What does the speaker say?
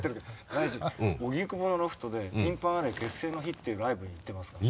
第一荻窪のロフトでティン・パン・アレー結成の日っていうライブに行ってますから。